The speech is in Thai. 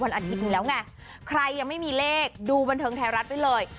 วันอันอีกหนึ่งแล้วไงใครยังไม่มีเลขดูบันเทิงแท้รัฐไปเลย